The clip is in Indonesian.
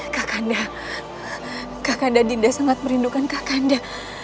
kakanda kakanda dinda sangat merindukan kakanda